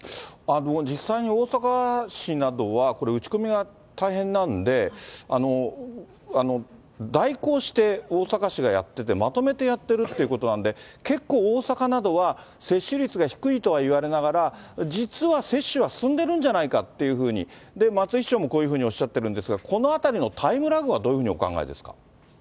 実際に大阪市などは、これ、打ち込みが大変なんで、代行して大阪市がやってて、まとめてやってるということなんで、結構、大阪などは接種率が低いとはいわれながら、実は接種は進んでるんじゃないかっていうふうに、松井市長もこういうふうにおっしゃってるんですが、このあたりのタイムラグはどういうふうにお考えですか。